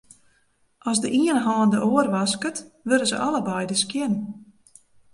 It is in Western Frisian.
As de iene hân de oar wasket, wurde se allebeide skjin.